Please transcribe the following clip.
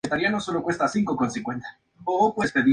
Su primera banda se llamó Uzi Suicide.